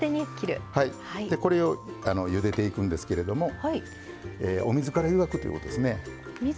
でこれをゆでていくんですけれどもお水から湯がくということですね。